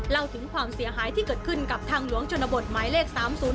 เล่าถึงความเสียหายที่เกิดขึ้นกับทางหลวงชนบทหมายเลข๓๐๔